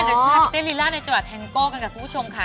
เดี๋ยวจะทำเตรียมลีล่าในเจาะแทงโก้กันกับคุณผู้ชมค่ะ